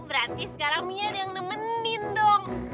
gratis sekarang mia ada yang nemenin dong